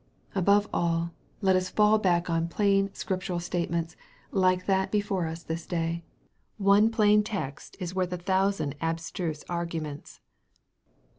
Above all, let us fall back on plain scriptural statements, like that before us this day. One plain text is worth a thousand abstruse arguments.